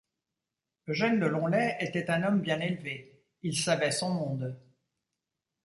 Eugène de Lonlay était un homme bien élevé; il savait son monde.